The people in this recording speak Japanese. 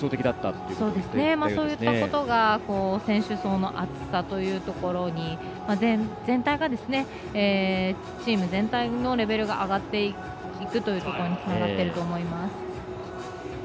そういったことが選手層の厚さというところにチーム全体のレベルが上がっていくというところにつながってると思います。